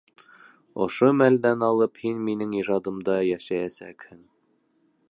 Ошо мәлдән алып һин минең ижадымда йәшәйәсәкһең!